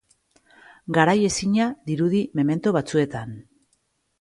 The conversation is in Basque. Garaiezina dirudi memento batzuetan.